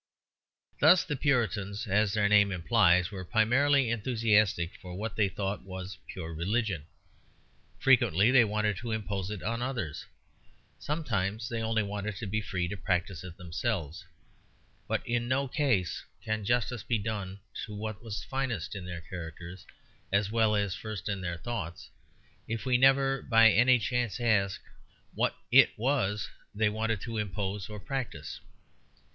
Thus the Puritans, as their name implies, were primarily enthusiastic for what they thought was pure religion; frequently they wanted to impose it on others; sometimes they only wanted to be free to practise it themselves; but in no case can justice be done to what was finest in their characters, as well as first in their thoughts, if we never by any chance ask what "it" was that they wanted to impose or to practise.